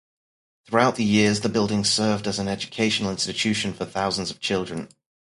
Throughout the years the building served as an educational institution for thousands of children.